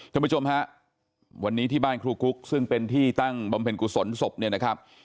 ท่านผู้ชมฮะวันนี้ที่บ้านครูกุ๊กซึ่งเป็นที่ตั้งบำเพ็ญกุศลศพเนี่ยนะครับ